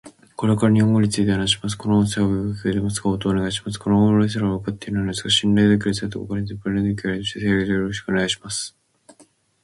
これから日本語について話します。この音声は聞こえてますか？応答願います。この顧問ボイスとはよく分かっていないのですが信頼できるサイトか分からないですが、ボランティアの気持ちで精いっぱい努力します。よろしくお願いいたします。